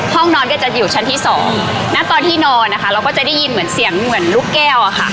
ห้องนอนก็จะอยู่ชั้นที่สองณตอนที่นอนนะคะเราก็จะได้ยินเหมือนเสียงเหมือนลูกแก้วอะค่ะ